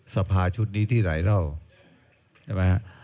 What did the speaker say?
สภาชุดนี้ที่ไหนแล้วใช่ไหม